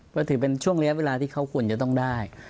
ก็ถือเป็นช่วงระยะเวลาที่เขาควรจะต้องได้